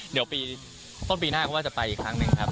เดี๋ยวปีต้นปีหน้าเขาว่าจะไปอีกครั้งหนึ่งครับ